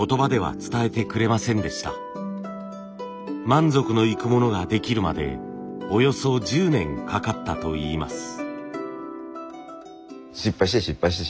満足のいくものができるまでおよそ１０年かかったといいます。